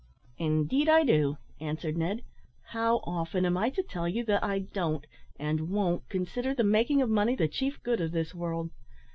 "Indeed, I do," answered Ned. "How often am I to tell you that I don't and won't consider the making of money the chief good of this world?